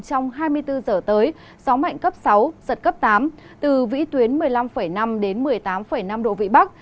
trong hai mươi bốn giờ tới gió mạnh cấp sáu giật cấp tám từ vĩ tuyến một mươi năm năm đến một mươi tám năm độ vị bắc